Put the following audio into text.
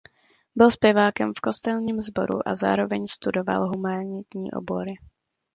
Byl zpěvákem v kostelním sboru a zároveň studoval humanitní obory.